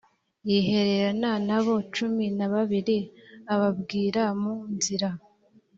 yihererana n abo cumi na babiri ababwirira mu nzira